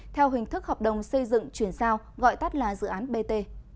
theo hình thức hợp đồng xây dựng chuyển sao gọi tắt là dự án bt